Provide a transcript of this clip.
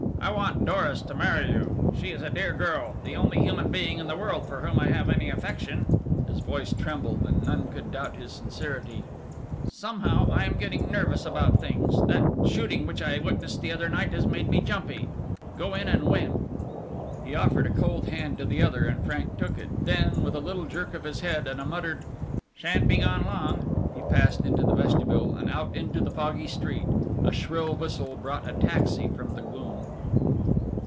"I want Doris to marry you. She is a dear girl, the only human being in the world for whom I have any affection." His voice trembled, and none could doubt his sincerity. "Somehow I am getting nervous about things that shooting which I witnessed the other night has made me jumpy go in and win." He offered a cold hand to the other, and Frank took it, then, with a little jerk of his head, and a muttered "shan't be gone long," he passed into the vestibule, and out into the foggy street. A shrill whistle brought a taxi from the gloom.